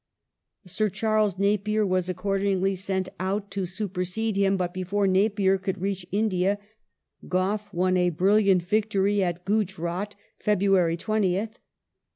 Sir Charles Napier was, accordingly, sent out to supersede him, but before Napier could reach India Gough won a brilliant victory at Gujrdt (Feb. 20th).